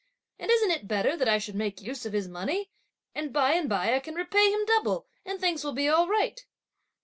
and isn't it better that I should make use of his money, and by and by I can repay him double, and things will be all right!"